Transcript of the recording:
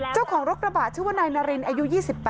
เจ้าของรถกระบะชื่อว่านายนารินอายุ๒๘